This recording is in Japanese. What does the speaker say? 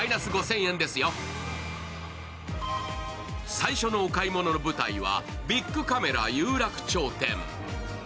最初のお買い物の舞台はビックカメラ有楽町店。